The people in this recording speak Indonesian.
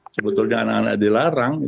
sebetulnya anak anak dilarang